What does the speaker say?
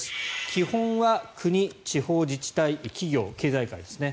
基本は国、地方自治体企業、経済界ですね